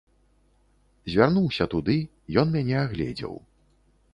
Звярнуўся туды, ён мяне агледзеў.